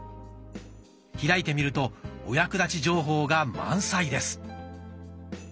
開いてみるとお役立ち情報が満載です。